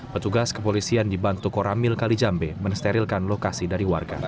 petugas kepolisian dibantu koramil kalijambe mensterilkan lokasi dari warga